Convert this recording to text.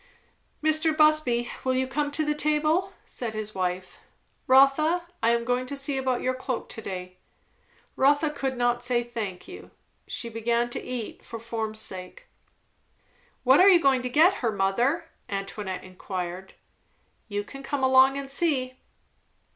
"Mr. Busby, will you come to the table?" said his wife. "Rotha, I am going to see about your cloak to day." Rotha could not say "thank you." She began to eat, for form's sake. "What are you going to get her, mother?" Antoinette enquired. "You can come along and see."